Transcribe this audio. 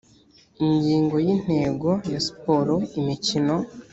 ingingo ya intego ya siporo imikino